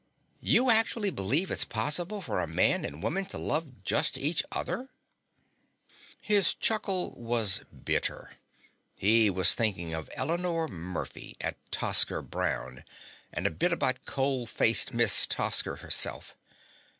"You actually believe it's possible for a man and woman to love just each other?" His chuckle was bitter. He was thinking of Elinore Murphy at Tosker Brown and a bit about cold faced Miss Tosker herself.